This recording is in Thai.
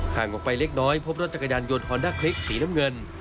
ห่างออกไปเล็กน้อยพบรถจักรยานยนต์ฮอนด้าคลิกสีน้ำเงิน